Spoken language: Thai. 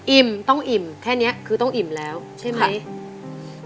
ต้องอิ่มแค่นี้คือต้องอิ่มแล้วใช่ไหม